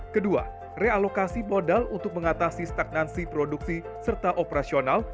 kedua realokasi modal untuk mengatasi stagnansi produksi serta operasional